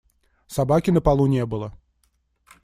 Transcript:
Собаки на полу не было.